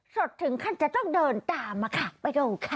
สดถึงขั้นจะต้องเดินตามมาค่ะไปดูค่ะ